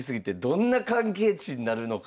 どんな関係値になるのか。